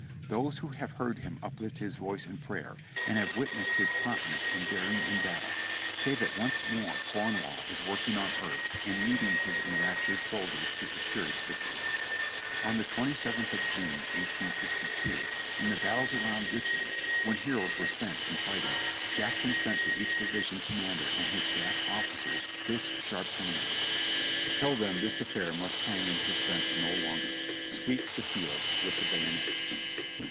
"Those who have heard him uplift his voice in prayer, and have witnessed his promptness and daring in battle, say that once more Cromwell is working on earth and leading his enraptured soldiers to assured victory." On the 27th of June, 1862, in the battles around Richmond, when heroes were spent in fighting, Jackson sent to each division commander and his staff officers this sharp command: THE PILLAR OF THE CONFEDERACY FALLS 371 "Tell them this affair must hang in suspense no longer. Sweep the Held with the bayonet."